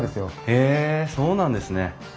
へえそうなんですね。